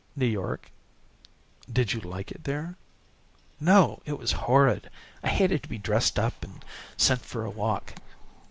"New York." "Did you like it there?" "No, it was horrid. I hated to be dressed up and sent for a walk."